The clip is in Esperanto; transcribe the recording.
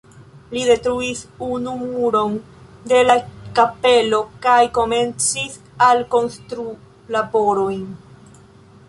Li detruis unu muron de la kapelo kaj komencis alkonstrulaborojn.